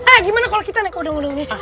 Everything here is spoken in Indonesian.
eh gimana kalau kita naik udung udung ini